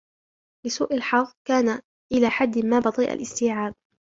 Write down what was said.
لسوء الحظ كان إلى حد ما بطيء الاستيعاب.